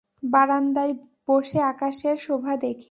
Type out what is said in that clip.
বারান্দায় বসে আকাশের শোভা দেখি।